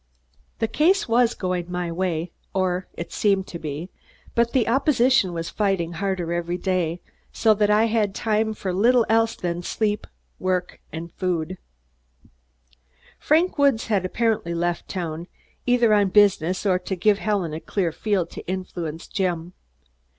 The case was going my way, or seemed to be, but the opposition was fighting harder every day, so that I had time for little else than food, sleep and work. Frank Woods had apparently left town, either on business or to give Helen a clear field to influence Jim.